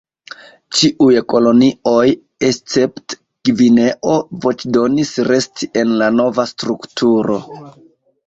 Ĉiuj kolonioj escepte Gvineo voĉdonis resti en la nova strukturo.